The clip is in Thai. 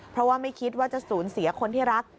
เพราะว่าไม่คิดว่าจะสูญเสียคนที่รัก